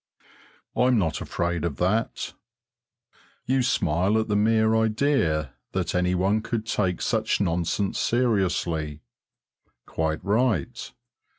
I'm not afraid of that. You smile at the mere idea that any one could take such nonsense seriously. Quite right.